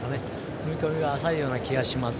踏み込みが浅いような気がします。